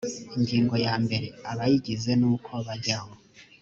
ingingo ya mbere abayigize n uko bajyaho